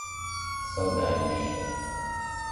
Saudades